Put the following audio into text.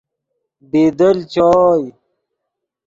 بی دل چوئے۔